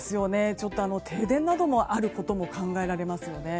停電などもあることも考えられますよね。